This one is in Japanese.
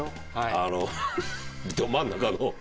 あのど真ん中の。